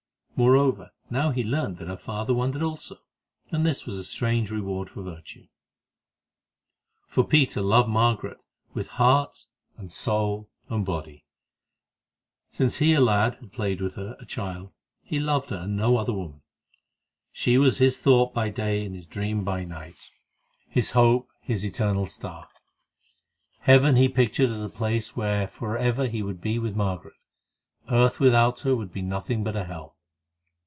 Moreover, now he learned that her father wondered also, and this was a strange reward of virtue. For Peter loved Margaret with heart and soul and body. Since he, a lad, had played with her, a child, he loved her, and no other woman. She was his thought by day and his dream by night, his hope, his eternal star. Heaven he pictured as a place where for ever he would be with Margaret, earth without her could be nothing but a hell.